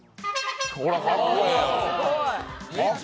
ほら、かっこええやん。